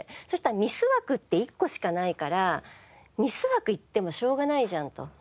そしたらミス枠って１個しかないからミス枠いってもしょうがないじゃんと。